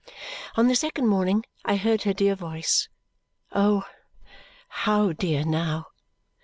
On the second morning I heard her dear voice Oh, how dear now!